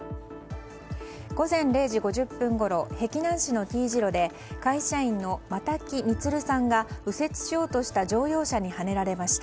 午前０時５０分ごろ碧南市のＴ字路で会社員の又木充さんが右折しようとした乗用車にはねられました。